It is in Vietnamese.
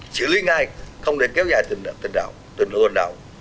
xử lý ngay không để kéo dài tình hồn đạo